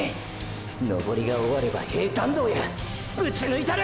登りが終われば平坦道やブチ抜いたる！！